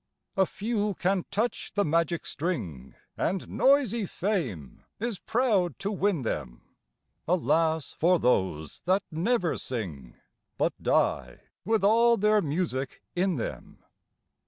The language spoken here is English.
A few can touch the magic string, And noisy Fame is proud to win them: Alas for those that never sing, But die with all their music in them!